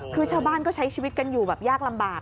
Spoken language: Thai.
คือชาวบ้านก็ใช้ชีวิตกันอยู่แบบยากลำบาก